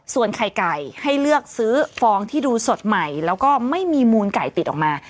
ส่วนไข่ไก่ให้เลือกซื้อฟองที่ดูสดใหม่แล้วก็ไม่มีมูลไก่ติดออกมา